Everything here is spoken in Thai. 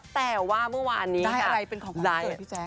แต่ว่าเมื่อวานนี้ค่ะได้อะไรเป็นของวันเกิดพี่แจ๊ก